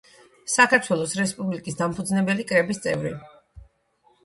საქართველოს რესპუბლიკის დამფუძნებელი კრების წევრი.